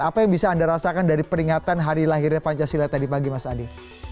apa yang bisa anda rasakan dari peringatan hari lahirnya pancasila tadi pagi mas adi